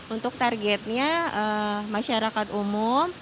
untuk targetnya masyarakat umum